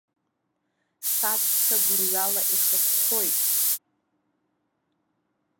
Саҵәца гәырҩала ихыхәхәоит.